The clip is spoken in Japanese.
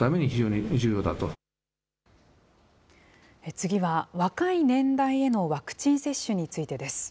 次は、若い年代へのワクチン接種についてです。